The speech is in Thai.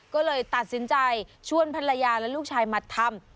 ก็เลยตัดสินใจชวนภรรยาและลูกชายมาทำ